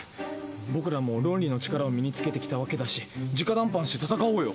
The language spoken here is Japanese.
僕らもロンリのちからを身につけてきた訳だしじか談判して戦おうよ！